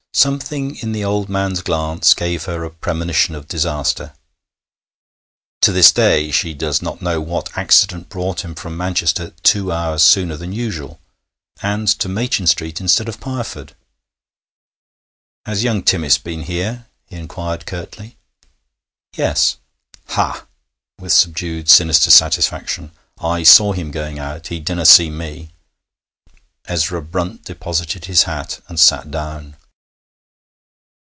Something in the old man's glance gave her a premonition of disaster. To this day she does not know what accident brought him from Manchester two hours sooner than usual, and to Machin Street instead of Pireford. 'Has young Timmis been here?' he inquired curtly. 'Yes.' 'Ha!' with subdued, sinister satisfaction, 'I saw him going out. He didna see me.' Ezra Brunt deposited his hat and sat down.